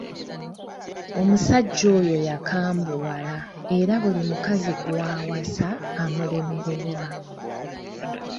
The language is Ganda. Omusajja oyo yakambuwala, era buli mukazi gw’awasa amulemererwa.